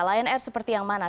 lnr seperti yang mana